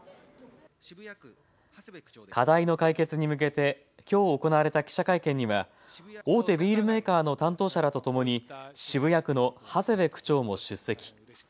課題の解決に向けてきょう行われた記者会見には大手ビールメーカーの担当者らとともに渋谷区の長谷部区長も出席。